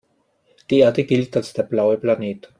Die Erde gilt als der „blaue Planet“.